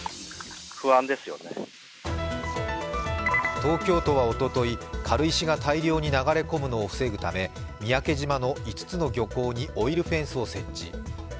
東京都はおととい、軽石が大量に流れ込むのを防ぐため三宅島の５つの漁港にオイルフェンスを設置。